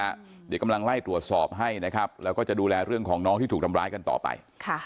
เดี๋ยวกำลังไล่ตรวจสอบให้นะครับแล้วก็จะดูแลเรื่องของน้องที่ถูกทำร้ายกันต่อไป